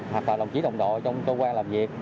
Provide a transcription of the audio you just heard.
hoặc là đồng chí đồng đội trong cơ quan làm việc